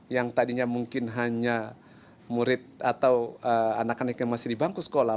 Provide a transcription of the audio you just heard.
yang tadinya mungkin hanya murid atau anak anak yang masih di bangku sekolah